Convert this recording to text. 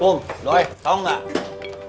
kum doi tahu nggak